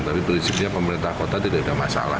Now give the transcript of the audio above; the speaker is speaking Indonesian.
tapi prinsipnya pemerintah kota tidak ada masalah